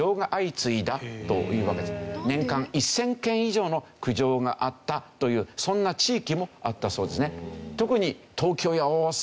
年間１０００件以上の苦情があったというそんな地域もあったそうですね。